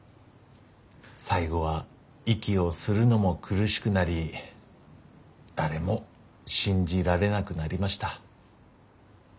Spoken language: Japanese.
最後は息をするのも苦しくなり誰も信じられなくなりました。